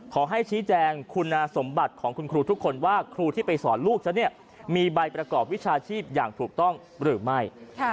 ขอให้ชี้แจงคุณสมบัติของคุณครูทุกคนว่าครูที่ไปสอนลูกฉันเนี่ยมีใบประกอบวิชาชีพอย่างถูกต้องหรือไม่